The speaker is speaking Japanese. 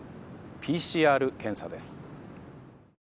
ＰＣＲ検査です。